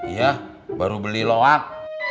iya baru beli loak